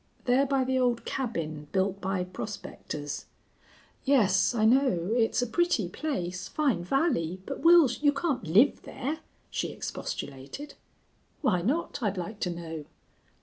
There by the old cabin built by prospectors?" "Yes, I know. It's a pretty place fine valley, but Wils, you can't live there," she expostulated. "Why not, I'd like to know?"